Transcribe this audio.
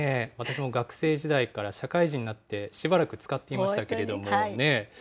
私も学生時代から社会人になって、しばらく使っていましたけれどもね。